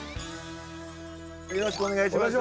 よろしくお願いします。